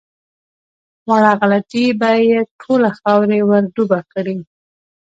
وړه غلطي به یې ټوله خواري ور ډوبه کړي.